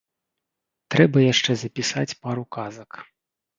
Трэба яшчэ запісаць пару казак.